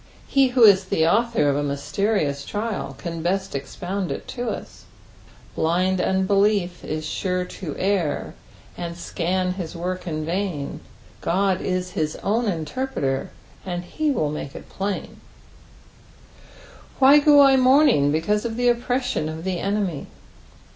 He who is the author of a mysterious thai can bett expound it to us. " BItod unbelief Is sure to err, And ecHU Ills wock In vain ; Qod <B hid own luterpreter, And be wlU make It pUJu." "Why go I nvruming teeaatt of th» opprettum of the enemy?"